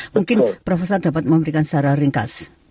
mungkin profesor dapat memberikan secara ringkas